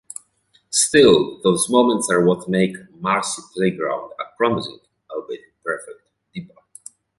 Still, those moments are what make "Marcy Playground" a promising, albeit imperfect, debut.